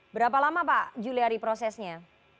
berapa lama pak juliari prosesnya